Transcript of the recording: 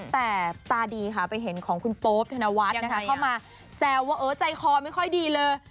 แต่ตาดีค่ะไปเห็นของคุณโป๊ปธนวัฒน์นะคะเข้ามาแซวว่าเออใจคอไม่ค่อยดีเลย